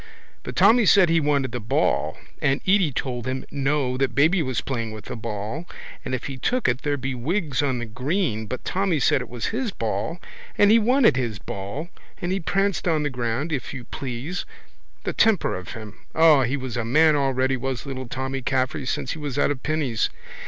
But Tommy said he wanted the ball and Edy told him no that baby was playing with the ball and if he took it there'd be wigs on the green but Tommy said it was his ball and he wanted his ball and he pranced on the ground, if you please. The temper of him! O, he was a man already was little Tommy Caffrey since he was out of pinnies.